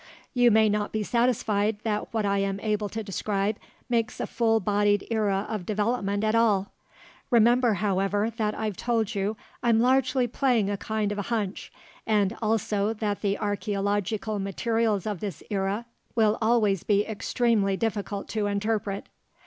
You may not be satisfied that what I am able to describe makes a full bodied era of development at all. Remember, however, that I've told you I'm largely playing a kind of a hunch, and also that the archeological materials of this era will always be extremely difficult to interpret.